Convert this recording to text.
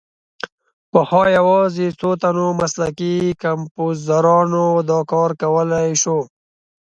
پخوا یوازې څو تنو مسلکي کمپوزرانو دا کار کولای شو.